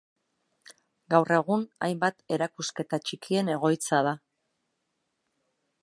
Gaur egun hainbat erakusketa txikien egoitza da.